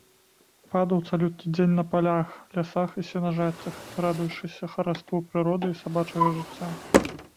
Падаў цалюткі дзень на палях, лясах і сенажацях, радуючыся хараству прыроды і сабачага жыцця.